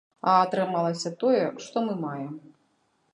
А атрымалася тое, што мы маем.